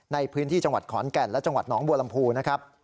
ในพื้นที่จังหวัดขอนแก่นและจังหวัดหนองบัวลำพูนะครับ